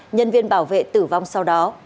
nhân viên bảo vệ tử vong sau đó